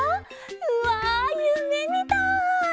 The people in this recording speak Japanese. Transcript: うわゆめみたい！